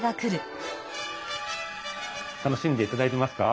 楽しんでいただいてますか？